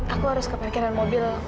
aku harus ke parkiran mobil